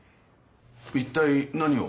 一体何を？